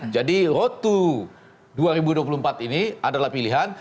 jadi road to dua ribu dua puluh empat ini adalah pilihan